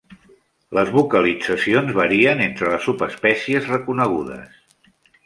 Les vocalitzacions varien entre les subespècies reconegudes.